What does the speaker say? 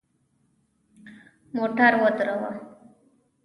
موټر ودروه !